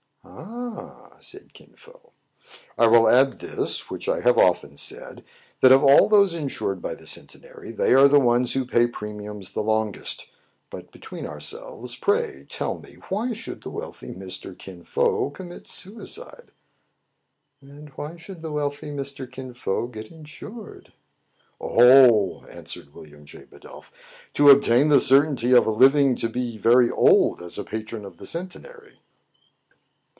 "Ah!" saidKin Fo. " I will add this, which I have often said, that, of all those insured by the Centenary, they are the ones who pay premiums the longest. But, be tween ourselves, pray tell me, why should the wealthy Mr. Kin Fo commit suicide 1 "" And why should the wealthy Mr. Kin Fo get insured >"" Oh !" answered William J. Bidulph, " to ob tain the certainty of living to be very old as a patron of the Centenary.'